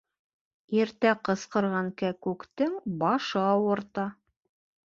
Иртә ҡысҡырған кәкүктең башы ауырта.